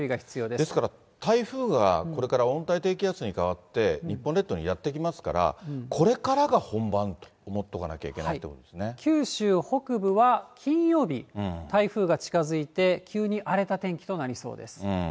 ですから、台風がこれから温帯低気圧に変わって、日本列島にやって来ますから、これからが本番と思っとかなきゃい九州北部は金曜日、台風が近づいて、急に荒れた天気となりそうです。